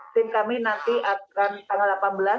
tim kami nanti akan tanggal delapan belas